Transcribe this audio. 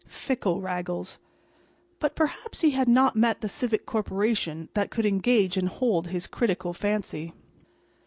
Fickle Raggles!—but perhaps he had not met the civic corporation that could engage and hold his critical fancy.